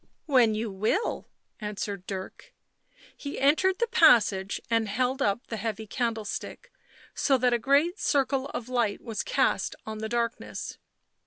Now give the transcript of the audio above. " When you will," answered Dirk. He entered the passage and heljf up the heavy candlestick, so that a great circle of light was cast on the darkness.